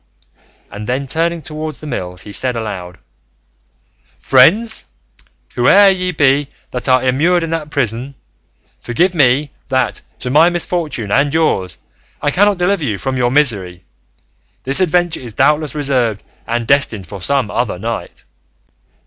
And then turning towards the mills he said aloud, "Friends, whoe'er ye be that are immured in that prison, forgive me that, to my misfortune and yours, I cannot deliver you from your misery; this adventure is doubtless reserved and destined for some other knight."